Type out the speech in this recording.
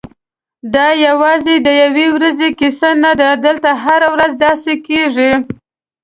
دا یوازې د یوې ورځې کیسه نه ده، دلته هره ورځ داسې کېږي.